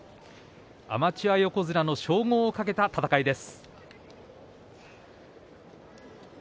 アマチュア横綱の称号をかけた戦いです。